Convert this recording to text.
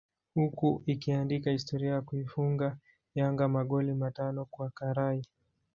huku ikiandika historia ya kuifunga Yanga magoli matano kwa karai